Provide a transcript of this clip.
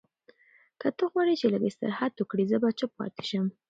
که ته غواړې چې لږ استراحت وکړې، زه به چپ پاتې شم.